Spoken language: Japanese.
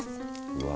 うわ